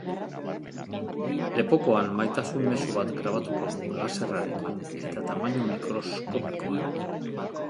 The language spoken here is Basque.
Lepokoan, maitasun mezu bat grabatuko du laserrarekin eta tamainu mikroskopikoan.